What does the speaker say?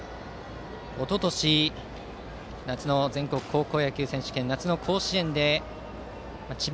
おととし夏の全国高校野球選手権夏の甲子園で智弁